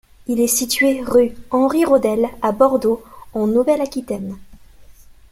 Il est situé rue Henri Rodel, à Bordeaux, en Nouvelle-Aquitaine.